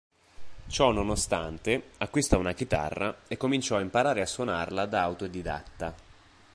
Ciò nonostante, acquistò una chitarra e cominciò a imparare a suonarla da autodidatta.